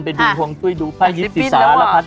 ไปดูห่วงตุ้ยดูพ่ายศิษย์สารพัฒน์